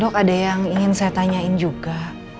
dok ada yang ingin saya tanyain juga